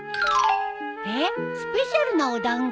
えっスペシャルなお団子？